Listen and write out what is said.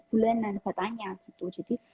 bulanan batanya gitu jadi